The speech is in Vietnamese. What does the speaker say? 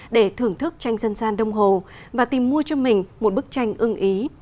để thưởng thức tranh dân gian đông hồ và tìm mua cho mình một bức tranh ưng ý